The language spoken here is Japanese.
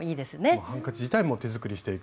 ハンカチ自体も手作りしていく。